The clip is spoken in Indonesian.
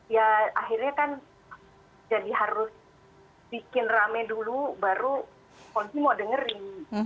ya akhirnya kan jadi harus bikin rame dulu baru polisi mau dengerin